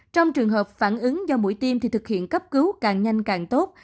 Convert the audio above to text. trong trường hợp phản ứng do mũi tiêm thì thực hiện cấp cứu càng nhanh càng tốt